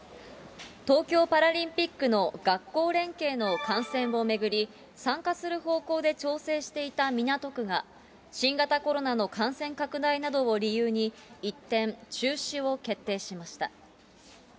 東京パラリンピックの学校連携の観戦を巡り、参加する方向で調整していた港区が、新型コロナの感染拡大などを理由に、一転、中止を決定しました。